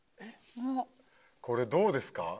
これどうですか？